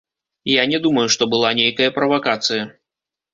Я не думаю, што была нейкая правакацыя.